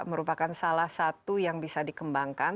merupakan salah satu yang bisa dikembangkan